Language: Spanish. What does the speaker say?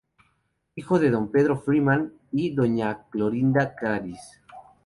Hijo de don Pedro Freeman y doña Clorinda Caris.